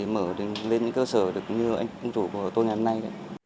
mở lên những cơ sở được như anh công chủ của tôi ngày hôm nay